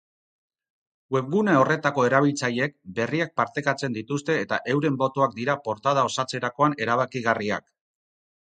Webgune horretako erabiltzaileek berriak partekatzen dituzte eta euren botoak dira portada osatzerakoan erabakigarriak.